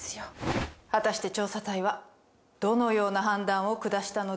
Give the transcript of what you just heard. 果たして調査隊はどのような判断を下したのでしょうか？